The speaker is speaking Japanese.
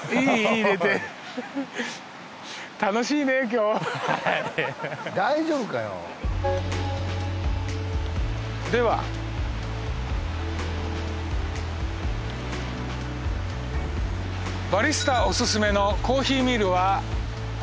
いれて大丈夫かよでは「バリスタおすすめのコーヒーミルは」